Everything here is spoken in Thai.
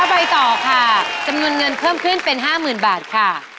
ถ้าไปต่อค่ะจำนวนเงินเพิ่มขึ้นเป็นห้าหมื่นบาทค่ะ